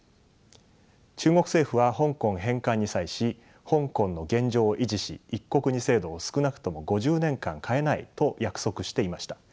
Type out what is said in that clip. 中国政府は香港返還に際し香港の現状を維持し「一国二制度」を少なくとも５０年間変えないと約束していました。